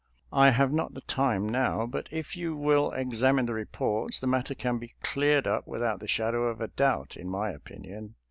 " I have not the time now, but if you will ex amine the reports the matter can be cleared up without the shadow of a doubt, in my opinion.